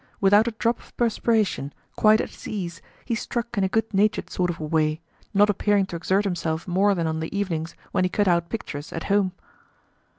Without a drop of perspiration, quite at his ease, he struck in a good natured sort of a way, not appearing to exert himself more than on the evenings when he cut out pictures at home.